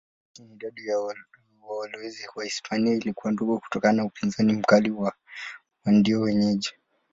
Lakini idadi ya walowezi Wahispania ilikuwa ndogo kutokana na upinzani mkali wa Waindio wenyeji.